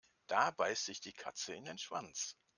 Da beißt sich die Katze in den Schwanz.